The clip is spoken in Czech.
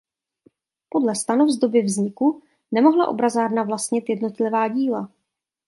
Podle stanov z doby vzniku nemohla Obrazárna vlastnit jednotlivá díla.